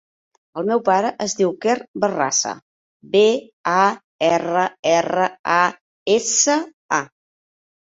El meu pare es diu Quer Barrasa: be, a, erra, erra, a, essa, a.